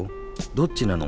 どっちなの？